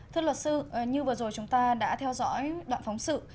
thưa luật sư như vừa rồi chúng ta đã theo dõi đoạn phóng sự